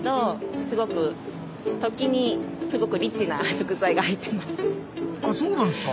これがあっそうなんですか。